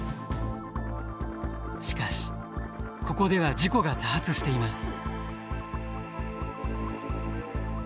しかしここでは事故が多発しています。